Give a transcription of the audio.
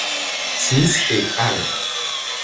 Smith et al.